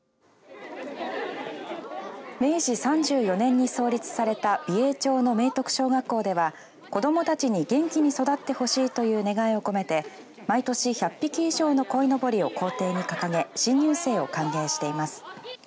明治３４年に創立された美瑛町の明徳小学校では子どもたちに元気に育ってほしいという願いを込めて毎年１００匹以上のこいのぼりを校庭に掲げ新入生を歓迎しています。